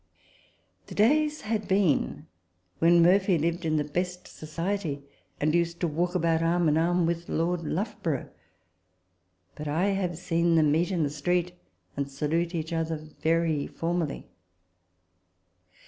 The days had been when Murphy lived in the best society, and used to walk about arm in arm with Lord Loughborough : but I have seen them meet in the street, and salute each other very formally.